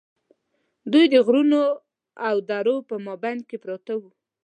دوی د غرونو او درو په مابین کې پراته وو.